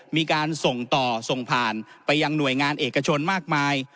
มีการส่งต่อส่งผ่านไปยังหน่วยงานเอกชนมากมาย